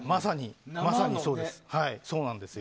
まさに、そうなんですよ。